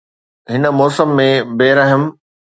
هن موسم ۾ بي رحم